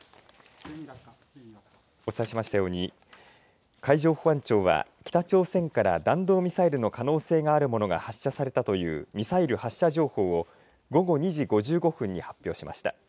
お伝えしましたように海上保安庁は北朝鮮から弾道ミサイルの可能性があるものが発射されたというミサイル発射情報を午後２時５５分に発表しました。